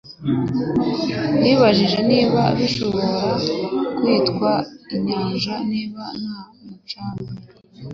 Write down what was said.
Yibajije niba bishobora kwitwa inyanja niba nta mucanga.